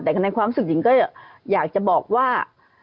แต่ในความสุขจิ๊กก็อยากจะบอกว่า